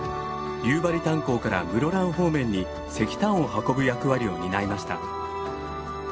夕張炭鉱から室蘭方面に石炭を運ぶ役割を担いました。